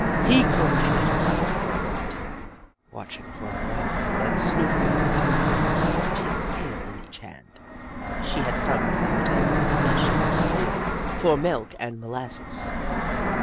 He coquetted around for a long time, watch ing for Miranda, then Snoof appeared, with a tin pail in each hand. She had come to the hotel, as she often did, for milk and molas ses.